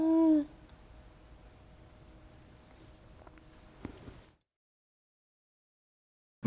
อืม